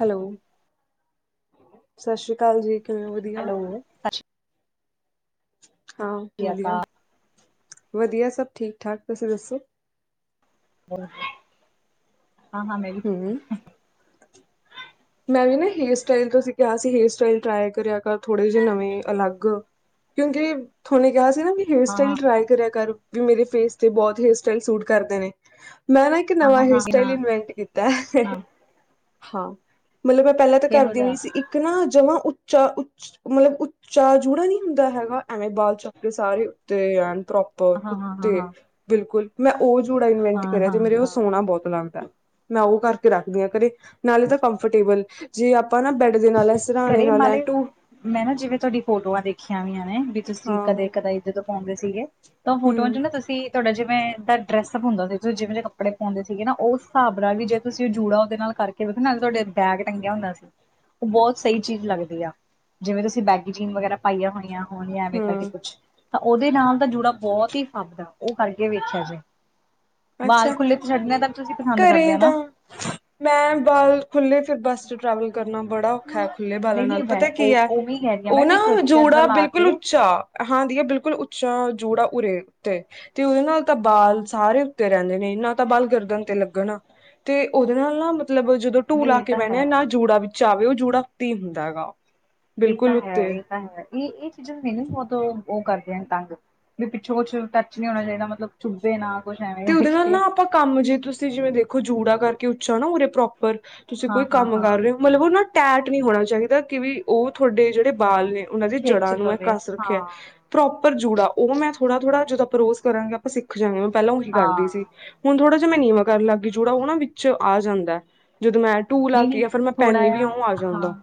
Hello ਸਤਿ ਸ੍ਰੀ ਅਕਾਲ ਜੀ ਕਿਵੇਂ ਵਧੀਆ ਹੈਲੋ ਸਤਿ ਹਾਂ ਸ਼੍ਰੀ ਵਧੀਆ ਅਕਾਲ ਵਧੀਆ ਸਭ ਠੀਕ ਠਾਕ ਤੁਸੀਂ ਦੱਸੋ ਹੋਰ ਹਾਂ ਹਾਂ ਮੈਂ ਵੀ ਠੀਕ ਹੂੰ, ਹਾਂ ਮੈਂ ਵੀ ਨਾ ਹੇਅਰ ਸਟਾਈਲ ਤੁਸੀਂ ਕਿਹਾ ਸੀ ਹੇਅਰ ਸਟਾਈਲ ਟਰਾਈ ਕਰਿਆ ਕਰ ਥੋੜੇ ਜਿਹੇ ਨਵੇਂ ਅਲੱਗ ਕਿਉਂਕਿ ਤੁਹਾਨੇ ਕਿਹਾ ਸੀ ਨਾ ਵੀ ਹੇਅਰ ਹਾਂ ਸਟਾਈਲ ਹਾਂ ਟਰਾਈ ਕਰਿਆ ਕਰ ਵੀ ਮੇਰੇ ਫੇਸ ਤੇ ਬਹੁਤ ਹੇਅਰ ਸਟਾਈਲ ਸੂਟ ਕਰਦੇ ਨੇ ਮੈਂ ਨਾ ਇੱਕ ਹਾਂ ਨਵਾਂ ਹੇਅਰ ਹਾਂ ਹਾਂ ਸਟਾਈਲ ਹਾਂ ਇਨਵੈਂਟ ਕੀਤਾ ਹਾਂ ਹਾਂ ਹਾਂ ਮਤਲਬ ਮੈਂ ਪਹਿਲਾਂ ਤਾਂ ਇਹੋ ਕਰਦੀ ਜਿਹਾ ਨੀ ਸੀ ਇੱਕ ਨਾ ਜਮਾ ਉੱਚਾ ਉੱ ਮਤਲਬ ਉੱਚਾ ਜੂੜਾ ਨੀ ਹੁੰਦਾ ਹੈਗਾ ਐਵੇਂ ਬਾਲ ਚਕਦੇ ਸਾਰੇ ਉੱਤੇ ਆ ਪ੍ਰੋਪਰ ਹਾਂ ਹਾਂ ਹਾਂ ਉੱਤੇ ਹਾਂ ਬਿਲਕੁਲ ਮੈਂ ਉਹ ਜੂੜਾ ਇਨਵੈਂਟ ਹਾਂ ਕਰਿਆ ਹਾਂ ਤੇ ਮੇਰੇ ਉਹ ਹਾਂ ਸੋਹਣਾ ਬਹੁਤ ਲੱਗਦਾ ਮੈਂ ਉਹ ਕਰਕੇ ਰੱਖਦੀ ਹਾਂ ਘਰੇ ਨਾਲੇ ਤਾਂ ਪੰ ਜੇ ਆਪਾਂ ਸਰਾਣੇ ਘਰੇ ਨਾਲ ਐ ਮੇ ਟੂ ਮੈਂ ਨਾ ਜਿਵੇਂ ਤੁਹਾਡੀ ਫੋਟੋਆਂ ਦੇਖੀਆਂ ਵੀਆਂ ਵੀ ਤੁਸੀਂ ਹਾਂ ਕਦੇ ਕਦੇ ਇੱਧਰ ਤੋਂ ਪਾਉਂਦੇ ਸੀਗੇ ਤਾਂ ਉਹ ਫੋਟੋਆਂ ਚ ਹੂੰ ਨਾ ਤੁਸੀਂ ਤੁਹਾਡਾ ਜਿਵੇਂ ਦਾ ਡਰੈਸਅਪ ਹੁੰਦਾ ਸੀ ਤੁਸੀਂ ਜਿਵੇਂ ਜੇ ਕੱਪੜੇ ਪਾਉਂਦੇ ਸੀਗੇ ਨਾ ਉਸ ਹਿਸਾਬ ਨਾਲ ਵੀ ਜੇ ਤੁਸੀਂ ਉਹ ਜੂੜਾ ਉਹਦੇ ਨਾਲ ਕਰਕੇ ਵੀਖ ਨਾ ਤੁਹਾਡੇ ਬੈਗ ਟੰਗਿਆ ਹੁੰਦਾ ਸੀ ਉਹ ਬਹੁਤ ਸਹੀ ਚੀਜ਼ ਲੱਗਦੀ ਆ ਜਿਵੇਂ ਤੁਸੀਂ ਬੈਗੀ ਜੀਨ ਵਗੈਰਾ ਪਾਈਆਂ ਹੋਈਆਂ ਹੋਣੀ ਆਵੇ ਕਰਕੇ ਹੂੰ ਕੁਛ ਤਾਂ ਉਹਦੇ ਨਾਲ ਤਾਂ ਜੁੜਾ ਬਹੁਤ ਹੀ ਫੱਬਦਾ ਉਹ ਕਰਕੇ ਵੇਖਿਆ ਸੀ ਅੱਛਾ ਕਰਦੇ ਘਰੇ ਆ ਤਾਂ ਨਾ ਮੈਂ ਬਾਲ ਖੁੱਲ੍ਹੇ ਫਿਰ ਬੱਸ ਚ ਟਰੈਵਲ ਕਰਨਾ ਬੜਾ ਔਖਾ ਹੈ ਖੁੱਲੇ ਬਾਲਾਂ ਨਹੀਂ ਨਾਲ ਨਹੀਂ ਮੈਂ ਪਤਾ ਕੀ ਉਹ ਹੈ ਉਵੇਂ ਹੀ ਕਹਿ ਰਹੀ ਆ ਉਹ ਮੈਂ ਨਾ ਵੀ ਕਲਚਰ ਜ ਜੋੜਾ ਲਾ ਬਿਲਕੁਲ ਕੇ ਉੱਚਾ ਹਾਂ ਦੀਆ ਬਿਲਕੁਲ ਉੱਚਾ ਜੂੜਾ ਉਰੇ ਉੱਤੇ ਤੇ ਉਹਦੇ ਨਾਲ ਤਾਂ ਬਾਲ ਸਾਰੇ ਤੇ ਰਹਿੰਦੇ ਨੇ ਨਾ ਤਾਂ ਬਲ ਗਰਦਨ ਤੇ ਲੱਗਣ ਤੇ ਉਹਦੇ ਨਾਲ ਨਾ ਮਤਲਬ ਜਦੋਂ ਢੂ ਵੀ ਲਾ ਇਹ ਕੇ ਤਾਂ ਬਹਿੰਣੇ ਹੈ ਆ ਨਾ ਜੂੜਾ ਵਿੱਚ ਆਵੇ ਉਹ ਜੂੜਾ ਉੱਤੇ ਹੀ ਹੁੰਦਾ ਗਾ ਉਹ ਇਹ ਤਾਂ ਹੈ ਇਹ ਤਾਂ ਹੈ ਇਹ ਇਹ ਚੀਜ਼ਾਂ ਮੈਨੂੰ ਬਹੁਤ ਉਹ ਕਰਦੀ ਤੰਗ ਵੀ ਪਿੱਛੋਂ ਕੁਛ ਟੱਚ ਨੀ ਹੋਣਾ ਚਾਹੀਦਾ ਮਤਲਬ ਚੁੱਭੇ ਨਾ ਕੁਛ ਐਵੇਂ ਤੇ ਉਹਦੇ ਨਾਲ ਕਰਕੇ ਨਾ ਆਪਾਂ ਕੰਮ ਜੇ ਤੁਸੀਂ ਜਿਵੇਂ ਦੇਖੋ ਜੂੜਾ ਕਰਕੇ ਉੱਚਾ ਨਾ ਉਰੇ ਪ੍ਰੋਪ ਉਪਰ ਤੁਸੀਂ ਹਾਂ ਕੋਈ ਹਾਂ ਕੰਮ ਹਾਂ ਕਰ ਰਹੇ ਹੋ ਮਤਲਬ ਉਹ ਨਾ, ਟੈਟ ਨਹੀਂ ਹੋਣਾ ਚਾਹੀਦਾ ਕਿ ਵੀ ਉਹ ਤੁਹਾਡੇ ਜਿਹੜੇ ਬਾਲ ਨੇ ਉਹਨਾਂ ਦੀ ਖਿੱਚ ਜੜ੍ਹਾਂ ਨੂੰ ਮੈਂ ਪਵੇ ਕਸ ਹਾਂ ਰੱਖਿਆ ਪ੍ਰੋਪਰ ਜੂੜਾ ਉਹ ਮੈਂ ਥੋੜਾ ਥੋੜਾ ਜਦੋਂ ਰੋਸ ਕਰਾਂਗੇ ਆਪਾਂ ਸਿੱਖ ਜਾ ਗੇ ਮੈਂ ਪਹਿਲਾਂ ਉਹੀ ਕਰਦੀ ਹਾਂ ਸੀ ਹੁਣ ਥੋੜ੍ਹਾ ਜੇ ਮੈਂ ਨੀਵਾਂ ਕਰਨ ਲਾਗੀ ਜੂੜਾ ਉਹ ਨਾ ਵਿੱਚ ਆ ਜਾਂਦਾ ਜਦੋਂ ਮੈਂ ਟੂਲ ਆ ਨਹੀਂ ਕੇ ਨਹੀਂ ਜਾਂ ਫਿਰ ਮੈਂ ਥੋੜਾ ਪੈਨੀ ਜਿਹਾ ਵੀ ਉਹ ਆ ਹਾਂ ਜਾਂਦਾ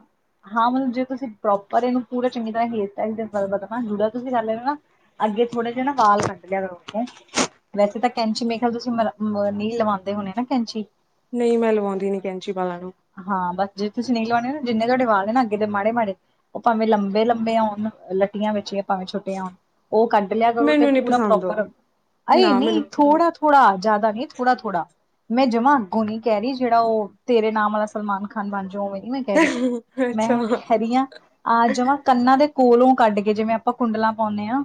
ਹਾਂ ਮਤਲਬ ਜੇ ਤੁਸੀਂ ਪ੍ਰੋਪਰ ਇਹਨੂੰ ਪੂਰਾ ਚੰਗੀ ਤਰ੍ਹਾਂ ਹੇਅਰ ਸਟਾਈ ਬਲ ਜੁੜਿਆ ਤੁਸੀਂ ਕਰ ਲ ਨਾ ਅੱਗੇ ਥੋੜੇ ਜੇ ਨਾ ਬਾਲ ਕੱਢ ਲਿਆ ਕਰ ਉੱਥੋਂ ਵੈਸੇ ਤਾਂ ਕੈਂਚੀ ਮੇਰੇ ਖਿਆਲ ਤੁਸੀਂ ਮ ਨਹੀਂ ਲਵਾਉਂਦੇ ਹੋਣੇ ਨਾ ਕੈਂਚੀ ਨਹੀਂ ਮੈਂ ਲਵਾਉਂਦੀ ਨੀ ਕੈਂਚੀ ਵਾਲਾ ਨੂੰ ਹਾਂ ਬਸ ਜੇ ਤੁਸੀਂ ਨਹੀਂ ਲਾਉਣੇ ਹੋ ਨਾ ਜਿੰਨੇ ਤੁਹਾਡੇ ਵਾਲ ਨੇ ਨਾ ਅੱਗੇ ਦੇ ਮਾੜੇ ਮਾੜੇ ਉਹ ਭਾਵੇਂ ਲੰਬੇ ਲੰਬੇ ਹੋਣ ਲਟੀਆਂ ਵਿੱਚ ਭਾਵੇਂ ਛੋਟੀਆ ਹੋਣ ਉਹ ਕੱਢ ਲਿਆ ਕਰੋ ਤੇ ਮੈਨੂੰ ਨੀ ਪੂਰਾ ਪਸੰਦ ਉਹ ਪ੍ਰੋਪਰ ਅਰੇ ਨਾ ਨਹੀਂ ਮੈਨੂੰ ਪਸੰਦ ਥੋੜਾ ਥੋੜਾ ਜ਼ਿਆਦਾ ਨਹੀਂ ਥੋੜਾ ਥੋੜਾ ਮੈਂ ਜਮਾਂ ਅੱਗੋਂ ਨੀ ਕਹਿ ਰਹੀ ਜਿਹੜਾ ਉਹ ਤੇਰੇ ਨਾਮ ਵਾਲਾ ਸਲਮਾਨ ਖਾਨ ਬਣ ਜਾਓ ਓਵੇਂ ਮੈਂ ਕਹਿ ਰਹੀ ਮੈਂ ਅੱਛਾ ਕਹਿ ਰਹੀ ਹਾਂ ਆ ਜਮਾ ਕੰਨਾਂ ਦੇ ਕੋਲੋਂ ਕੱਢ ਕੇ ਜਿਵੇਂ ਆਪਾਂ ਕੁੰਡਲਾਂ ਪਾਉਂਦੇ ਹਾਂ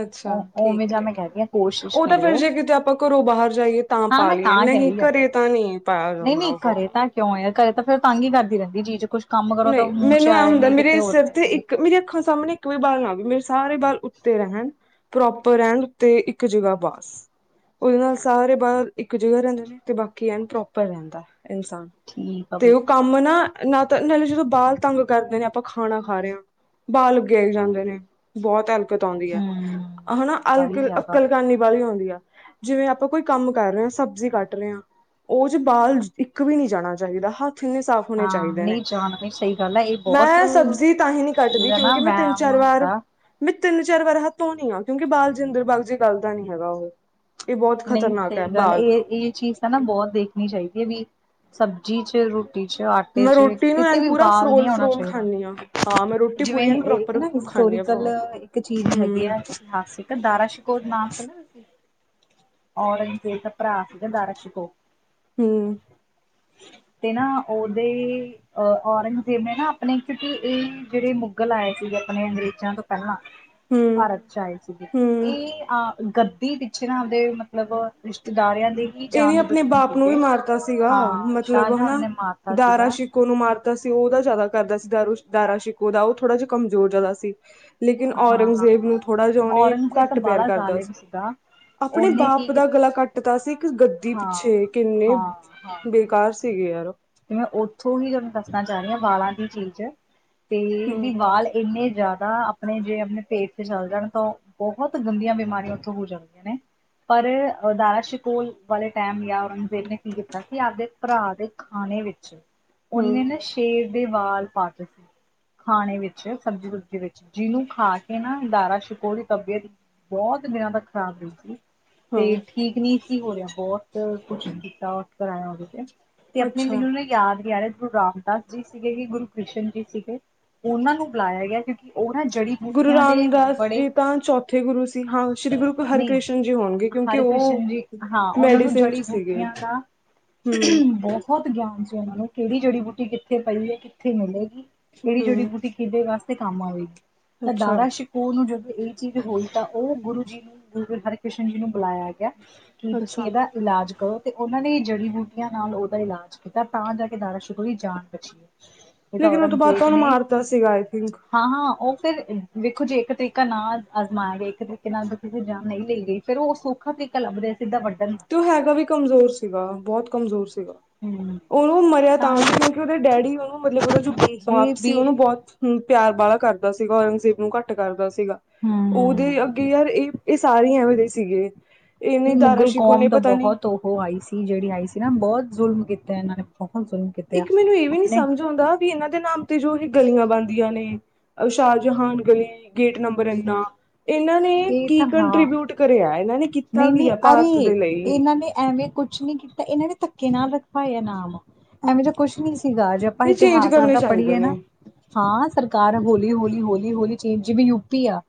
ਅੱਛਾ ਠੀਕ ਉਵੇਂ ਹੈ ਜਾ ਮੈਂ ਠੀਕ ਕਹਿ ਹੈ ਰਹੀ ਹਾਂ ਕੋਸ਼ਿਸ਼ ਉਹ ਤਾਂ ਫੇਰ ਕਰਿਓ ਜੇ ਕਿਤੇ ਆਪਾਂ ਘਰੋਂ ਬਾਹਰ ਜਾਈਏ ਤਾਂ ਹਾਂ ਪਾ ਮੈਂ ਲਈਏ ਤਾਂ ਕਹਿ ਨਹੀਂ ਰਹੀ ਹਾਂ ਘਰੇ ਤਾਂ ਨਹੀਂ ਪਾਇਆ ਨਹੀਂ ਜਾਂਦਾ ਨਹੀਂ ਘਰੇ ਉਹ ਤਾਂ ਕਿਉਂ ਘਰੇ ਤਾਂ ਫਿਰ ਤੰਗ ਹੀ ਕਰਦੀ ਰਹਿੰਦੀ ਜੀ ਚ ਕੁਛ ਕੰਮ ਕਰੋ ਤਾਂ ਨਹੀਂ ਮੂੰਹ ਚ ਮੈਨੂੰ ਐ ਆਏ ਹੁੰਦਾ ਨੀ ਕਿਤੇ ਮੇਰੇ ਹੋਰ ਸਿਰ ਤੇ ਪੈਂਦੀ ਹੈ। ਇੱਕ ਮੇਰੀ ਅੱਖਾਂ ਸਾਹਮਣੇ ਇੱਕ ਵੀ ਬਾਲ ਆਵੇ ਮੇਰੇ ਸਾਰੇ ਬਾਲ ਉੱਤੇ ਰਹਿਣ ਪ੍ਰੋਪਰ ਰਹਿਣ ਉਤੇ ਇੱਕ ਜਗ੍ਹਾ ਬਸ, ਉਹਦੇ ਨਾਲ ਸਾਰੇ ਬਾਹਰ ਇੱਕ ਜਾ ਰਹਿੰਦੇ ਨੇ ਤੇ ਬਾਕੀ ਐ ਪ੍ਰੋਪਰ ਰਹਿੰਦਾ। ਇਨਸਾਨ ਠੀਕ ਆ ਬਈ। ਤੇ ਉਹ ਕੰਮ ਨਾ ਨਾ, ਨਾਲੇ ਜਦੋਂ ਬਾਲ ਤੰਗ ਕਰਦੇ ਨੇ ਆਪਾਂ ਖਾਣਾ ਖਾ ਰਹੇ ਹਾਂ ਬਾਲ ਅੱਗੇ ਆਈ ਜਾਂਦੇ ਨੇ ਬਹੁਤ ਹੈਲਪ, ਆਦੀ ਹੈ ਹੂੰ ਹਨਾ ਅਲਕ ਬਾਹਲੀ ਜ਼ਿਆਦਾ ਅਕਲਕਾਨੀ ਵਾਲੀ ਆਦੀ ਆ, ਜਿਵੇਂ ਆਪਾਂ ਕੋਈ ਕੰਮ ਕਰ ਰਹੇ ਹਾਂ ਸਬਜ਼ੀ ਕੱਟ ਰਹੇ ਹਾਂ, ਉਹ ਜੇ ਬਾਲ ਇੱਕ ਵੀ ਨਹੀਂ ਜਾਣਾ ਚਾਹੀਦਾ ਹੱਥ ਇੰਨੇ ਸਾਫ਼ ਹੋਣੇ ਹਾਂ ਚਾਹੀਦੇ ਨੇ ਨਹੀਂ ਜਾਣ ਨਹੀਂ ਸਹੀ ਗੱਲ ਹੈ ਇਹ ਬਹੁਤ ਮੈਂ ਸਬਜ਼ੀ ਇਹਦਾ ਤਾਂ ਹੀ ਨੀ ਕੱਟਦੀ ਨਾ ਕਿਉਂਕਿ ਮੈਂ ਤਿੰਨ ਵਹਿਮ ਚਾਰ ਵਾਰ ਹੁੰਦਾ। ਮੈਂ ਤਿੰਨ ਚਾਰ ਵਾਰ ਹੱਥ ਧੋਣੀ ਆ ਕਿਉਂਕਿ ਬਾਲਜਿੰਦਰ ਬਾਗ ਜੀ ਗੱਲ ਦਾ ਨੀ ਹੈਗਾ ਉਹ ਇਹ ਬਹੁਤ ਨਹੀਂ ਖ਼ਤਰਨਾਕ ਸਹੀ ਹੈ ਗੱਲ ਬਾਲ ਇਹ ਇਹ ਚੀਜ਼ ਹੈ ਨਾ ਬਹੁਤ ਦੇਖਣੀ ਚਾਹੀਦੀ ਹੈ ਵੀ ਸਬਜ਼ੀ ਚ ਰੋਟੀ ਚ ਆਟੇ ਮੈਂ ਚ ਰੋਟੀ ਨੂੰ ਕਿਤੇ ਐਨ ਵੀ ਪੂਰਾ ਵਾਲ ਨਹੀਂ ਫਰੋਲ ਹੋਣਾ ਫਰੋਲ ਚਾਹੀਦਾ। ਖਾਂਦੀ ਹਾਂ ਹਾਂ ਮੈਂ ਰੋਟੀ ਜਿਵੇਂ ਪੂਰੀ ਐਨ ਪ੍ਰੋਪਰ ਨਾ ਖਾਂਦੀ ਹਾਂ ਹਿਸਟੋਰੀਕਲ ਫਰੋਲ ਇੱਕ ਚੀਜ਼ ਹੈਗੀ ਹਮ ਆ ਇਤਿਹਾਸਿਕ ਦਾਰਾ ਸ਼ਿਕੋਤ ਨਾਮ, ਔਰੰਗਜੇਬ ਦਾ ਭਰਾ ਸੀ ਦਾਰਾ ਸੈਕੋ ਹੂੰ, ਹੂੰ, ਤੇ ਨਾ ਉਹਦੇ ਅਹ ਔਰੰਗਜ਼ੇਬ ਨੇ ਨਾ ਆਪਣੇ ਕਿਉਂਕਿ ਇਹ ਜਿਹੜੇ ਮੁਗਲ ਆਏ ਸੀ। ਆਪਣੇ ਅੰਗਰੇਜ਼ਾਂ ਤੋਂ ਪਹਿਲਾਂ ਹਮ ਭਾਰਤ ਚ ਆਏ ਸੀਗੇ ਹਮ ਇਹ ਅਹ ਗੱਦੀ ਵਿੱਚ, ਤਰ ਦੇ ਮਤਲਬ ਰਿਸ਼ਤੇਦਾਰਿਆਂ ਦੇ ਹੀ ਇਹਨੇ ਜਾਨ ਦੇ ਆਪਣੇ ਦੁਸ਼ਮਣ ਬਾਪ ਨੂੰ ਵੀ ਸੀਗੇ ਮਾਰਤਾ ਸੀਗਾ ਹਾਂ ਮਤਲਬ ਸ਼ਾਹਜਹਾਨ ਹਨਾ ਨੇ ਮਾਰਤਾ ਸੀਗਾ ਦਾਰਾ ਹਾਂ ਸ਼ਿਕੋ ਨੂੰ ਮਾਰਤਾ ਸੀ ਉਹਦਾ ਜ਼ਿਆਦਾ ਕਰਦਾ ਸੀ ਦਾਰੂ ਦਾਰਾ ਸ਼ਿਕੋ ਦਾ ਉਹ ਥੋੜ੍ਹਾ ਜਿਹਾ ਕਮਜ਼ੋਰ ਜ਼ਿਆਦਾ ਸੀ। ਲੇਕਿਨ ਹਾਂ ਹਾਂ ਔਰੰਗਜ਼ੇਬ ਹਾਂ। ਨੂੰ ਥੋੜਾ ਜਹਾ ਉਹਨੇ ਔਰੰਗਜ਼ੇਬ ਤਾਂ ਘੱਟ ਪਿਆਰ ਬਾਹਲਾ ਕਰਦਾ ਸੀ, ਜ਼ਾਲਿਮ ਸੀਗਾ ਆਪਣੇ ਉਹਨੇ ਕੀ ਬਾਪ ਦਾ ਕੀਤਾ। ਗਲਾ ਕੱਟਦਾ ਸੀ। ਗੱਦੀ ਹਾਂ ਪਿੱਛੇ ਕਿੰਨੇ ਹਾਂ ਹਾਂ ਹਾਂ ਬੇਕਾਰ ਸੀਗੇ ਯਾਰ, ਤੇ ਮੈਂ ਉੱਥੋਂ ਹੀ ਤੁਹਾਨੂੰ ਦੱਸਣਾ ਚਾਹੁੰਨੀ ਹਾਂ ਵਾਲਾਂ ਦੀ ਚੀਜ਼ ਤੇ ਹਮ ਵੀ ਵਾਲ ਇੰਨੇ, ਜ਼ਿਆਦਾ ਆਪਣੇ ਜੇ ਆਪਣੇ ਪੇਟ ਤੇ ਚੱਲ ਜਾਣ ਤਾਂ ਬਹੁਤ ਗੰਦੀਆਂ ਬਿਮਾਰੀਆਂ ਉੱਥੋਂ ਹੋ ਜਾਂਦੀਆਂ ਨੇ, ਪਰ ਦਾਰਾ ਸ਼ਕੋਲ ਵਾਲੇ ਟਾਈਮ ਜਾਂ ਔਰੰਗਜ਼ੇਬ ਨੇ ਕੀ ਕੀਤਾ ਸੀ ਆਪਦੇ ਭਰਾ ਦੇ, ਖਾਣੇ ਵਿੱਚ ਹਮ ਓਨੇ ਨਾ ਸ਼ੇਰ ਦੇ ਵਾਲ ਪਾਟ ਸੀ। ਖਾਣੇ ਵਿੱਚ ਸਬਜ਼ੀ ਸੁਬਜੀ ਵਿੱਚ ਜਿਹਨੂੰ ਖਾ ਕੇ ਨਾ ਅਦਾਰਾ ਸ਼ਿਕੋ ਦੀ ਤਬੀਅਤ, ਬਹੁਤ ਦਿਨਾਂ ਤੱਕ ਖ਼ਰਾਬ ਰਹੀ ਸੀ ਤੇ ਹਾਂ ਠੀਕ ਨਹੀਂ ਸੀ ਹੋ ਰਿਹਾ ਬਹੁਤ ਕੁਛ ਕੀਤਾ ਕਰਾਇਆ ਉਹਦੇ ਤੇ ਤੇ ਅੱਛਾ ਗੁਰੂ ਰਾਮਦਾਸ ਜੀ ਸੀਗੇ ਹੀ ਗੁਰੂ ਕ੍ਰਿਸ਼ਨ ਜੀ ਸੀਗੇ ਉਹਨਾਂ ਨੂੰ ਬੁਲਾਇਆ ਗਿਆ ਕਿਉਂਕਿ ਉਹ ਨਾ ਜੜੀ ਗੁਰੂ ਬੂਟੀਆਂ ਦੇ ਰਾਮਦਾਸ ਬੜੇ ਜੀ ਤਾਂ ਚੌਥੇ ਗੁਰੂ ਸੀ ਹਾਂ ਸ਼੍ਰੀ ਗੁਰੂ ਨਹੀਂ ਹਰਿਕ੍ਰਿਸ਼ਨ ਜੀ ਹੋਣਗੇ। ਕਿਉਂਕਿ ਹਰਿ ਕ੍ਰਿਸ਼ਨ ਜੀ ਉਹ ਹਾਂ ਉਹਨਾਂ ਨੂੰ ਮੈਡੀਸਿਨ ਚ ਜੜੀ ਸੀਗੇ ਬੂਟੀਆਂ ਦਾ ਹੂੰ ਬਹੁਤ ਗਿਆਨ ਸੀ ਉਹਨਾਂ ਨੂੰ ਕਿਹੜੀ ਜੜੀ ਬੂਟੀ ਕਿੱਥੇ ਪਈ ਹੈ ਕਿੱਥੇ ਮਿਲੇਗੀ ਕਿਹੜੀ ਜੜੀ ਹਮ ਬੂਟੀ ਕਿਹਦੇ ਵਾਸਤੇ ਕੰਮ ਆਵੇਗੀ ਤਾਂ ਅੱਛਾ ਦਾਰਾ ਸ਼ਿਕੋ ਨੂੰ ਜਦੋਂ ਇਹ ਚੀਜ਼ ਹੋਈ ਤਾਂ ਉਹ ਗੁਰੂ ਜੀ, ਗੁਰ ਹਰਿਕ੍ਰਿਸ਼ਨ ਜੀ ਨੂੰ ਬੁਲਾਇਆ ਗਿਆ ਕਿ ਤੁਸੀਂ ਅੱਛਾ ਇਹਦਾ ਇਲਾਜ, ਅਤੇ ਉਹਨਾਂ ਨੇ ਹੀ ਜੜੀ ਬੂਟੀਆਂ ਨਾਲ ਉਹਦਾ ਇਲਾਜ ਕੀਤਾ ਤਾਂ ਜਾ ਕੇ ਦਾ ਸ਼ੁਕਰਰੀ ਜਾਣ ਇਹ ਤਾਂ ਲੇਕਿਨ ਉਹ ਤੋਂ ਬਾਅਦ ਤਾਂ ਔਰੰਗਜ਼ੇਬ ਉਹਨੂੰ ਨੇ ਮਾਰਤਾ ਸੀਗਾ ਆਈ ਥਿੰਕ ਹਾਂ ਹਾਂ ਉਹ ਫੇਰ ਦੇਖੋ ਜੀ ਇੱਕ ਤਰੀਕਾ ਨਾਲ ਅਜਮਾਇਆ ਗਿਆ ਇੱਕ ਤਰੀਕੇ ਨਾਲ ਕਿਸੇ ਜਾ ਨਹੀਂ ਲਈ ਗਈ ਫੇਰ ਉਹ ਸੋਖਾ ਤਾਰੀਕਾ ਲੱਭਦੇ ਸੀ। ਤੇ ਉਹ ਹੈਗਾ ਵੀ ਕਮਜ਼ੋਰ ਸੀਗਾ ਬਹੁਤ ਕਮਜ਼ੋਰ ਸੀਗਾ। ਹੂੰ ਉਹਨੂੰ ਮਰਿਆ ਤਾਂ ਸੀ ਕਿਉਂਕਿ ਉਹਦੇ ਡੈਡੀ ਉਹਨੂੰ ਮਤਲਬ ਉਹਦਾ ਜੋ ਬਾਪ ਇਹ ਸੀ ਵੀ ਉਹਨੂੰ ਬਹੁਤ, ਪਿਆਰ ਵਾਲਾ ਕਰਦਾ ਸੀਗਾ ਔਰੰਗਜ਼ੇਬ ਨੂੰ ਘੱਟ ਕਰਦਾ ਸੀਗਾ ਹਮ ਉਹਦੇ ਅੱਗੇ ਯਾਰ ਇਹ, ਇਹ ਸਾਰੇ ਇਹੋ ਜਿਹੇ ਸੀਗੇ ਇਹਨੇ ਦਾਰਾ ਸ਼ਿ ਫੋਮ ਤਾਂ ਬਹੁਤ ਉਹ ਆਈ ਸੀ ਜਿਹੜੀ ਆਈ ਸੀ ਨਾ ਬਹੁਤ ਜ਼ੁਲਮ ਕੀਤੇ ਇਹਨਾਂ ਨੇ, ਬਹੁਤ ਜ਼ੁਲਮ ਕੀਤੇ ਆ ਇੱਕ ਮੈਨੂੰ ਇਹ ਵੀ ਨੀ ਆਪਣੇ ਸਮਝ ਆਉਂਦਾ ਵੀ ਇਹਨਾਂ ਦੇ ਨਾਮ ਤੇ ਜੋ ਇਹ, ਗਲੀਆਂ ਬਣਦੀਆਂ ਨੇ ਸ਼ਾਹਜਹਾਨ ਗਲੀ ਗੇਟ ਨੰਬਰ ਇੰਨਾ, ਇਹਨਾਂ ਨੇ ਕੀ ਕੰਟਰੀਬਿਊਟ ਕਰਿਆ ਇਹਨਾਂ ਨੇ, ਕੀਤਾ ਕੀ ਨਹੀਂ-ਨਹੀਂ ਹੈ ਭਾਰਤ ਅਰੇ ਦੇ ਲਈ ਇਹਨਾਂ ਨੇ ਐਵੇਂ ਕੁਛ ਨਹੀਂ ਕੀਤਾ ਇਹਨਾਂ ਨੇ, ਧੱਕੇ ਨਾਲ ਰੱਖ ਪਾਏ ਇਨਾਮ ਇਹੋ ਜਾ ਕੁਛ ਨੀ ਸੀ ਗਾ ਜੇ ਆਪਾਂ ਤੇ ਚੇਂਜ ਇਤਿਹਾਸ ਕਰਨੇ ਆਪਦਾ ਚਾਹੀਦੇ ਪੜ੍ਹੀਏ ਨਾ ਨੇ। ਹਾਂ ਸਰਕਾਰ ਹੌਲੀ ਹੌਲੀ ਹਲੀ ਹੌਲੀ ਚ ਜਿਵੇਂ ਯੂਪੀ ਆ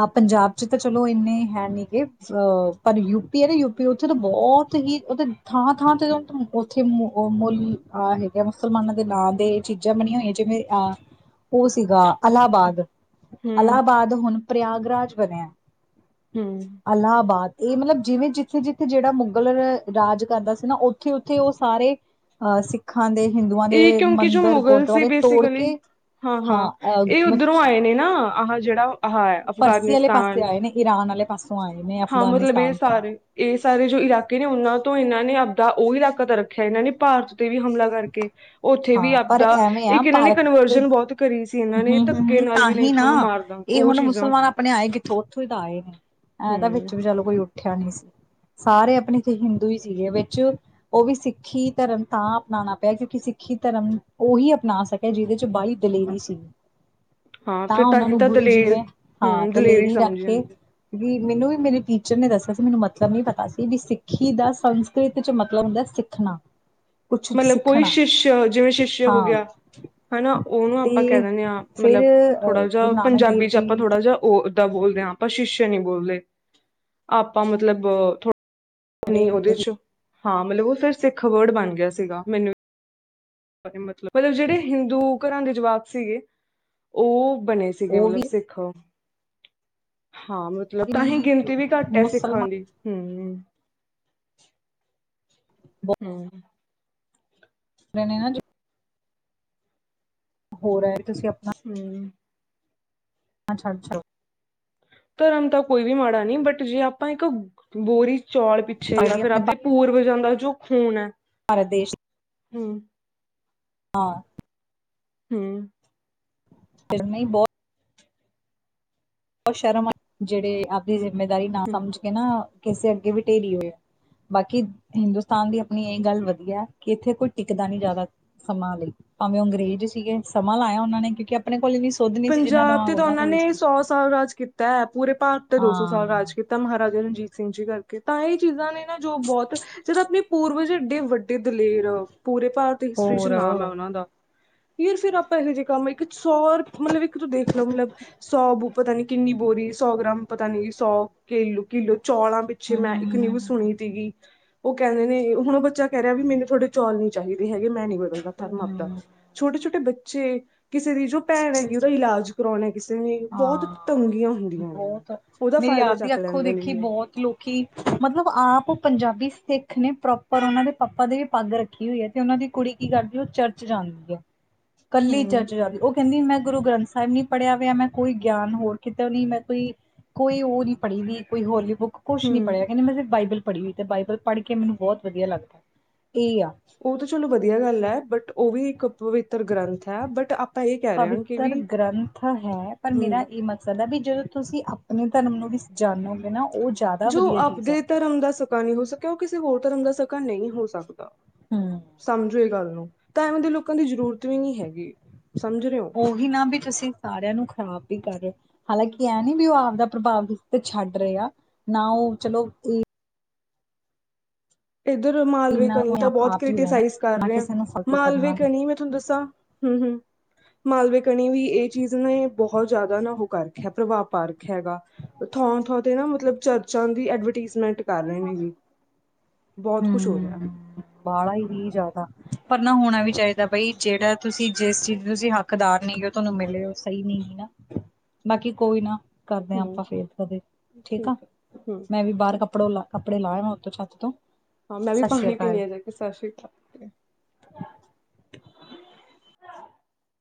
ਆਹ ਪੰਜਾਬ ਚ ਤਾਂ ਚਲੋ ਇੰਨੇ ਹੈ ਨੀ ਗੇ ਅ ਪਰ ਯੂਪੀ ਨਾ ਯੂਪੀ ਉੱਥੇ ਤਾਂ ਬਹੁਤ ਹੀ ਉਹ ਥਾਂ ਥਾਂ ਤੇ ਉੱਥੇ ਉਹ ਮੁੱਲ ਅਹ ਹੈਗੇ ਮੁਸਲਮਾਨਾਂ ਦੇ ਨਾਂ ਦੇ ਚੀਜ਼ਾਂ ਬਣੀਆਂ ਹੋਈਆਂ ਜਿਵੇਂ ਅਹ ਉਹ ਸੀਗਾ ਅਲਾਹਾਬਾਦ ਹੂੰ, ਅਲਾਹਾਬਾਦ ਹੁਣ ਪ੍ਰਯਗਰਾਜ ਬਣਿਆ ਹੂੰ ਇਲਾਹਾਬਾਦ ਇਹ ਮਤਲਬ ਜਿਵੇਂ ਜਿੱਥੇ ਜਿੱਥੇ ਜਿਹੜਾ ਮੁੱਗਲ ਰਾਜ ਕਰਦਾ ਸੀ ਨਾ ਉੱਥੇ ਉੱਥੇ ਉਹ ਸਾਰੇ ਅਹ ਸਿੱਖਾਂ ਦੇ ਹਿੰਦੂਆਂ ਦੇ ਇਹ ਮੰਦਿਰ ਗੁਰਦੁਆਰੇ ਤੋੜ ਕੇ ਹਾਂ ਹਾਂ ਇਹ ਉੱਧਰੋਂ ਆਏ ਨੇ ਨਾ ਆਹ ਜਿਹੜਾ ਅਹ ਪਰਸੀ ਵਾਲੇ ਪਾਸੇ ਅਫਗਾਨਿਸਤਾਨ ਆਏ ਨੇ ਈਰਾਨ ਵਾਲੇ ਪਾਸੋਂ ਆਏ ਨੇ ਹਾਂ ਮਤਲਬ ਇਹ ਅਫਗਾਨਿਸਤਾਨ ਤੋਂ ਸਾਰੇ ਇਹ ਸਾਰੇ ਜੋ ਇਲਾਕੇ ਨੇ ਉਹਨਾਂ ਤੋਂ ਇਹਨਾਂ ਨੇ ਆਪਦਾ ਉਹੀ ਇਲਾਕਾ ਤਾਂ ਰੱਖਿਆ ਇਹਨਾਂ ਨੇ ਭਾਰਤ ਤੇ ਵੀ ਹਮਲਾ ਕਰਕੇ ਉੱਥੇ ਵੀ ਹਾਂ ਪਰ ਆਪਦਾ ਐਵੇਂ ਆ ਇੱਕ ਇਹਨਾਂ ਨੇ ਭਾਰਤ ਕਨਵਰਜਨ ਬਹੁਤ ਕਰੀ ਸੀ ਇਹਨਾਂ ਨੇ ਹੂੰ ਧੱਕੇ ਹੂੰ ਨਾਲ ਵੀ ਨਹੀਂ ਤਾਂਹੀ ਤੁਹਾਨੂੰ ਨਾ ਮਾਰਦਾ ਇਹ ਉਹ ਹੁਣ ਚੀਜ਼ਾਂ ਮੁਸਲਮਾਨ ਆਪਣੇ ਆਏ ਕਿੱਥੋਂ ਉੱਥੋਂ ਹੀ ਤਾਂ ਆਏ ਨੇ ਹੈਂ ਤਾਂ ਹੂੰ। ਵਿੱਚ ਵੀ ਚਲੋ ਕੋਈ ਉੱਠਿਆ ਨੀ ਸੀ ਸਾਰੇ ਆਪਣੇ ਇੱਥੇ ਹਿੰਦੂ ਹੀ ਸੀਗੇ ਵਿੱਚ ਉਹ ਵੀ ਸਿੱਖੀ ਧਰਮ ਤਾਂ ਅਪਣਾਉਣਾ ਪਿਆ ਕਿਉਂਕਿ ਸਿੱਖੀ ਧਰਮ ਉਹੀ ਅਪਣਾ ਸਕਿਆ ਜਿਹਦੇ ਚ ਬਲੀ ਦਲੇਰੀ ਸੀ ਹਾਂ ਤਾਂ ਫਿਰ ਉਹਨਾਂ ਹੀ ਨੂੰ ਗੁਰੂ ਜੀ ਦਲੇਰ ਨੇ ਹਾਂ ਹੂੰ ਦਲੇਰੀ ਸਮਝਿਆ ਰੱਖੇ ਵੀ ਮੈਨੂੰ ਵੀ ਮੇਰੇ ਟੀਚਰ ਨੇ ਦੱਸਿਆ ਸੀ ਮੈਨੂੰ ਮਤਲਬ ਨੀ ਪਤਾ ਸੀ ਵੀ ਸਿੱਖੀ ਦਾ ਸੰਸਕ੍ਰਿਤ ਚ ਮਤਲਬ ਹੁੰਦਾ ਸਿੱਖਣਾ ਕੁਛ ਮਤਲਬ ਕੋਈ ਸਿੱਖਣਾ ਸ਼ਿਸ਼ ਜਿਵੇਂ ਸ਼ਿਸ਼ਯ ਹੋ ਹਾਂ ਗਿਆ ਹਨਾ ਉਹਨੂੰ ਆਪਾਂ ਕਹਿ ਤੇ ਦਿੰਨਦੇ ਹਾਂ ਫਿਰ ਮਤਲਬ ਅਹ ਥੋੜਾ ਜਿਹਾ ਗੁਰੂ ਨਾਨਕ ਦੇਵ ਪੰਜਾਬੀ ਚ ਆਪਾਂ ਜੀ ਥੋੜਾ ਜਿਹਾ ਉਹ ਦਾਂ ਬੋਲਦੇ ਹਾਂ ਆਪਾਂ ਸ਼ੀਸ਼ੇ ਨੀ ਬੋਲਦੇ ਆਪਾਂ ਮਤਲਬ ਥੋੜਾ ਜਿਹੜੇ ਆਪਣੀ ਹੈਗੇ ਉਹਦੇ ਸੀ ਚ ਹਾਂ ਮਤਲਬ ਉਹ ਫਿਰ ਸਿੱਖ ਵਰਡ ਬਣ ਗਿਆ ਸੀਗਾ ਮੈਨੂੰ ਮਤਲਬ ਮਤਲਬ ਜਿਹੜੇ ਹਿੰਦੂ ਘਰਾਂ ਦੇ ਜਵਾਕ ਸੀਗੇ ਉਹ ਬਣੇ ਸੀਗੇ ਉਹ ਵੀ ਮਤਲਬ ਸਿੱਖ ਹਾਂ ਮਤਲਬ ਵੀ ਤਾਂ ਹੀ ਗਿਣਤੀ ਵੀ ਘੱਟ ਹੈ ਸਿੱਖਾਂ ਮੁਸਲਮਾਨ ਦੀ ਹਮ ਬਹੁਤ ਹਂ ਨੇ ਨਾਂ ਹੋਰਹਾ ਹੈ ਹਂ ਅੱਛਾ ਅੱਛਾ ਧਰਮ ਤਾਂ ਕੋਈ ਵੀ ਮਾੜਾ ਨਹੀਂ ਬਟ ਜੇ ਆਪਾਂ ਇੱਕ ਬੋਰੀ ਚੌਲ ਪਿੱਛੇ ਤਾਂ ਜਾਂ ਵੀ ਫਿਰ ਆਪਣੇ ਆਪਦੇ ਭਾ- ਪੂਰਵਜਾ ਦਾ ਜੋ ਖ਼ੂਨ ਐ ਭਾਰਤ ਦੇਸ਼ ਹੂੰ ਹਾਂ ਹੂੰ ਫਿਰ ਨੀ ਬਹੁਤ ਬਹੁਤ ਸ਼ਰਮ ਆ ਜਿਹੜੇ ਆਪਦੀ ਜਿੰਮੇਦਾਰੀ ਨਾ ਹਮ ਸਮਝ ਕੇ ਨਾ ਕਿਸੇ ਅੱਗੇ ਵੀਟੇਰੀ ਹੋਏ ਆ ਬਾਕੀ ਹਿੰਦੁਸਤਾਨ ਦੀ ਆਪਣੀ ਇਹ ਗੱਲ ਵਧੀਆ ਕਿ ਇੱਥੇ ਕੋਈ ਟਿਕਦਾ ਨਹੀਂ ਜ਼ਿਆਦਾ ਸਮਾਂ ਲਈ ਭਾਵੇਂ ਉਹ ਅੰਗਰੇਜ਼ ਸੀਗੇ ਸਮਾਂ ਲਾਇਆ ਉਹਨਾਂ ਨੇ ਕਿਉਂਕਿ ਆਪਣੇ ਕੋਲ ਵੀ ਪੰਜਾਬ ਤੇ ਤਾਂ ਉਹਨਾਂ ਨੇ ਸੌ ਸਾਲ ਰਾਜ ਤਾਂ ਹੈ ਪੂਰੇ ਭਾਰਤ ਤੇ ਦੋ ਸੌ ਸਾਲ ਹਾਂ ਰਾਜ ਕੀਤਾ ਮਹਾਰਾਜੇ ਨੇ ਜੀਤ ਸਿੰਘ ਜੀ ਕਰਕੇ ਤਾਂ ਇਹ ਚੀਜ਼ਾਂ ਨੇ ਨਾ ਜੋ ਬਹੁਤ ਜਿੱਦ ਆਪਣੇ ਪੂਰਵਜਡੇ ਵੱਡੇ ਦਲੇਰ ਪੂਰੇ ਭਾਰਤ ਹਿਸਟਰੀ ਚ ਹੋਰ ਨਾਮ ਹੈ ਹਮ ਉਹਨਾਂ ਦਾ ਯਾਰ ਫੇਰ ਆਪਾਂ ਇਹੋ ਜਿਹੇ ਕੰਮ ਇੱਕ ਸੌ ਮਤਲਬ ਇੱਕ ਤੂੰ ਦੇਖਲਾ ਮਤਲਬ ਸੌ ਬੂ ਪਤਾ ਨੀ ਕਿੰਨੀ ਬੋਰੀ ਸੌ ਗ੍ਰਾਮ ਪਤਾ ਨੀ ਸੌ ਕਿਲ ਕਿਲੋ ਚੌਲਾਂ ਪਿੱਛੇ ਹਮ ਮੈਂ ਇੱਕ ਹਮ ਨਿਊਜ਼ ਹਮ ਸੁਣੀ ਸੀਗੀ ਉਹ ਕਹਿੰਦੇ ਨੇ ਹੁਣ ਉਹ ਬੱਚਾ ਕਹਿ ਰਿਹਾ ਵੀ ਮੈਨੂੰ ਹਾੋਡੇ ਚਲੀ ਚਾਹੀਦੇ ਹੈਗੇ ਮੈਂ ਨੀ ਬਦਲ ਧਰਮ ਹਮ ਆਪਦਾ ਹਮ ਛੋਟੇ ਛੋਟੇ ਬੱਚੇ ਕਿਸੇ ਦੀ ਜੋ ਭੈਣ ਹੈ ਰਾਜਗੁਰੂ ਨੇ ਕਿਸੇ ਨੇ ਬਹੁਤ ਤੰਗੀਆਂ ਹਾਂ ਹੁੰਦੀਆਂ ਨੇਂ ਬਹੁਤ ਉਹਦਾ ਮੇਰੀ ਫਾਇਦਾ ਆਪਦੀ ਚੱਕ ਅੱਖੋਂ ਲੈਂਦੇ ਨੇਂ ਦੇਖੀ ਇਹ। ਬਹੁਤ ਲੋਕੀ ਮਤਲਬ ਆਪ ਪੰਜਾਬੀ ਸਥਿਤ ਨੇ ਪ੍ਰੋਪਰ ਉਹਨਾਂ ਦੇ ਪਾਪਾ ਦੀ ਵੀ ਪੱਗ ਰੱਖੀ ਹੋਈ ਐ ਤੇ ਉਹਨਾਂ ਦੀ ਕੁੜੀ ਕੀ ਕਰਦੀ ਉਹ ਚਰਚ ਜਾਂਦੀ ਐ। ਕੱਲੀ ਹਮ ਚਰਚ ਜਾਂਦੀ ਉਹ ਕਹਿੰਦੀ ਮੈਂ ਗੁਰੂ ਗ੍ਰੰਥ ਸਾਹਿਬ ਨੀਂ ਪੜ੍ਹਿਆ ਵਆ ਮੈਂ ਕੋਈ ਗਿਆਨ ਹੋਰ ਕਿਤੇ ਨਈਂ ਮੈਂ ਕੋਈ ਕੋਈ ਉਹ ਨਈਂ ਪੜ੍ਹੀ ਨਈਂ ਕੋਈ ਹੋਲੀ ਬੁੱਕ ਕੁਛ ਨੀਂ ਹਮ ਪੜਿਆ ਕਹਿੰਦੀ ਮੈਂ ਸਿਰਫ ਬਾਈਬਲ ਪੜ੍ਹੀ ਹੋਈ ਤੇ ਬਾਈਬਲ ਪੜ੍ਹ ਕੇ ਮੈਨੂੰ ਬਹੁਤ ਵਧੀਆ ਲੱਗਦਾ। ਇਹ ਆ ਉਹ ਤਾਂ ਚਲੋ ਵਧੀਆ ਗੱਲ ਐ ਬਟ ਉਹ ਵੀ ਇੱਕ ਪਵਤਰ ਗ੍ਰੰਥ ਐ ਬਟ ਅਪ ਪਵਿੱਤਰ ਗ੍ਰੰਥ ਹੈ ਪਰ ਹਮ ਮੇਰਾ ਇਹ ਮਕਸਦ ਹੈ ਵੀ ਜਦੋਂ ਤੁਸੀਂ ਆਪਣੇ ਧਰਮ ਨੂੰ ਵੀ ਜਾਣੋਗੇ ਨਾਂ ਜੋ ਆਪਦੇ ਧਰਮ ਦਾ ਸਕਾ ਨਈਂ ਹੋ ਸਕਿਆ ਉਹ ਕਿਸੇ ਹੋਰ ਧਰਮ ਦਾ ਸਕਾ ਨਈਂ ਹੋ ਸਕਦਾ। ਸਮਝੋ ਇਹ ਗੱਲ ਨੂੰ ਤਾਂ ਇਵੇਂ ਦੇ ਲੋਕਾਂ ਦੀ ਜ਼ਰੂਰਤ ਵੀ ਨੀਂ ਹੈਗੀ। ਸਮਝ ਰਹੇ ਹੋ। ਉਹੀ ਨਾਂ ਵੀ ਤੁਸੀਂ ਸਾਰਿਆਂ ਨੂੰ ਖ਼ਰਾਬ ਵੀ ਕਰ ਰਹੇ ਔ। ਹਾਲਾਂਕਿ ਇਹ ਨੀਂ ਵੀ ਉਹ ਆਪਦਾ ਪ੍ਰਭਾਵ ਤੇ ਛੱਡ ਰਹੇ ਆ ਨਾਂ ਉਹ ਚਲੋ ਵੀ ਉਧਰ ਇਹ ਨਾ ਮਾਲਵੇਕੀ ਤਾਂ ਆਪ ਬਹੁਤ ਆਪ ਹੀ ਰਹਿਣਾ ਕ੍ਰਿਸਾਈਜ਼ ਕਰ ਨਾ ਰਿਹੇ ਆ। ਕਿਸੇ ਨੂੰ ਫਾਲਤੂ ਮਾਲਵੇ ਕਰਨਾ ਵੀ। ਕਣੀ ਮੈਂ ਤੁਹਾਨੂੰ ਦੱਸਾਂ ਹਂ ਹਂ ਮਾਲਵੇ ਕਣੀ ਵੀ ਇਹ ਚੀਜ਼ ਨੇਂ ਬਹੁਤ ਜ਼ਿਆਦਾ ਨਾਂ ਉਹ ਕਰ ਰੱਖਿਆ ਪ੍ਰਭਾਵ ਪਾ ਰੱਖਿਆ ਹੈਗਾ। ਥਾਂ-ਥਾਂ ਤੇ ਨਾਂ ਮਤਲਬ ਚਰਚਾਂ ਦੀ ਐਡਵਰਟੀਜ਼ਮੈਂਟ ਕਰ ਰਹੇ ਨ ਜੀ। ਬਹੁਤ ਕੁਛ ਹੋ ਰਿਹਾ। ਹਂ, ਵਾਲਾ ਹੀ ਨਹੀਂ ਜ਼ਿਆਦਾ ਪਰ ਨਾ ਹੋਣਾ ਵੀ ਚਾਹੀਦਾ ਬਈ ਜਿਹੜਾ ਤੁਸੀਂ ਜਿਸ ਚੀਜ਼ ਤੁਸੀਂ ਹੱਕਦਾਰ ਨਈਂ ਹੋ ਤੁਹਾਨੂੰ ਮਿਲੇ ਹੋ ਸਹੀ ਨਈਂ ਨਾਂ। ਬਾਕੀ ਕੋਈ ਨਾ ਕਰਦੇ ਹਾਂ ਹੂੰ ਆਪਾਂ ਫੇਰ ਕਦੇ ਠੀਕ ਆ। ਮੈਂ ਵੀ ਬਾਹਰ ਕੱਪੜੋ ਕੱਪੜੇ ਲਾਹਵਾਂ ਉੱਤ ਛੱਤ ਤੋਂ ਹਾਂ, ਮੈਂ ਵੀ ਸਤਿ ਸ੍ਰੀ ਪਾਣੀ ਪੀਣੀ ਅਕਾਲ ਆਂ ਜਾ ਕੇ ਸਤਿ ਸ਼੍ਰੀ ਅਕਾਲ। [unintelligible]